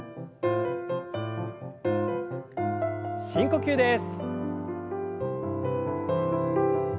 深呼吸です。